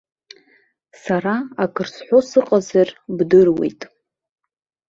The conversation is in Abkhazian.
Сара акыр сҳәо сыҟазар бдыруеит.